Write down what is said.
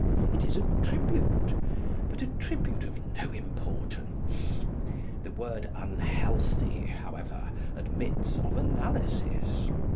It is a tribute, but a tribute of no importance. The word 'unhealthy,' however, admits of analysis.